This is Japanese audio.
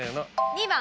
２番。